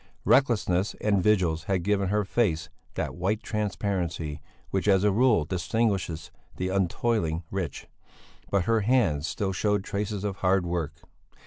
Recklessness and vigils had given her face that white transparency which as a rule distinguishes the untoiling rich, but her hands still showed traces of hard work.